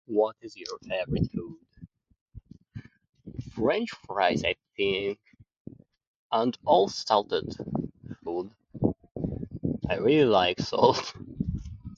What is your favorite food? French fries, I think. And all salted food. I really like salt.